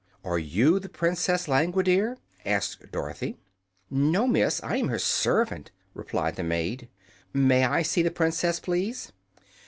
"Are you the Princess Langwidere?" asked Dorothy. "No, miss; I am her servant," replied the maid. "May I see the Princess, please?"